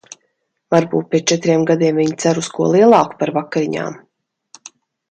Varbūt pēc četriem gadiem viņa cer uz ko lielāku par vakariņām?